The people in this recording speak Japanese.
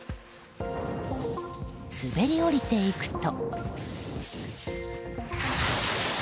滑り降りていくと。